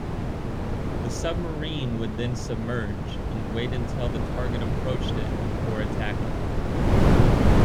The submarine would then submerge and wait until the target approached it before attacking.